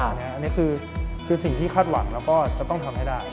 อันนี้คือสิ่งที่คาดหวังแล้วก็จะต้องทำให้ได้